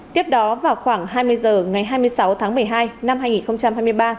tiếp đó vào khoảng hai mươi h ngày hai mươi sáu tháng một mươi hai năm hai nghìn hai mươi ba